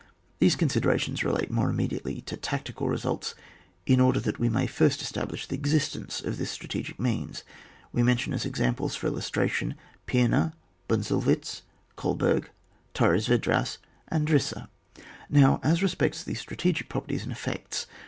These considerations relate more immediately to tactical results in order that we may first establish the existence of this stra tegic means; we mention as examples for illustration, Pima, Bunzelwitz, Oolberg, Torres Yedras, and Drissa. Now, as respects the strategic properties and effects.